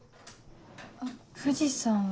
あっ藤さんは。